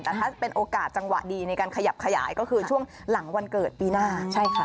แต่ถ้าเป็นโอกาสจังหวะดีในการขยับขยายก็คือช่วงหลังวันเกิดปีหน้าใช่ค่ะ